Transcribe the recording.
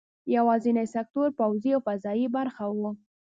یوازینی سکتور پوځي او فضايي برخه وه.